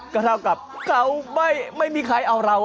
ก็เท่ากับเขาไม่มีใครเอาเรา